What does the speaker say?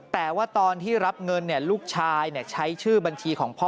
แต่ว่าตอนที่รับเงินลูกชายใช้ชื่อบัญชีของพ่อ